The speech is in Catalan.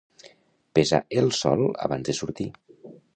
Pesar el sol abans de sortir.